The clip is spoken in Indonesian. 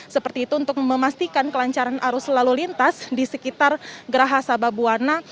seperti itu untuk memastikan kelancaran arus lalu lintas di sekitar geraha sababwana